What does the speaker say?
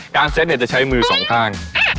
การเซ็ตเนี่ยจะใช้มือสองข้าง